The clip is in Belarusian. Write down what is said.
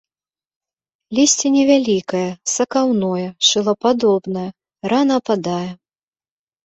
Лісце невялікае сакаўное, шылападобнае, рана ападае.